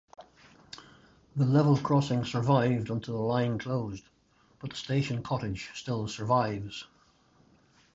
The level crossing survived until the line closed but the station cottage still survives.